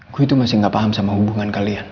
gue itu masih gak paham sama hubungan kalian